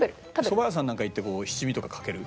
そば屋さんなんか行ってこう七味とかかける？